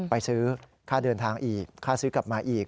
ไปซื้อค่าเดินทางอีกค่าซื้อกลับมาอีก